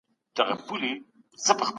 هغوی د اوبو په څښلو اخته دي.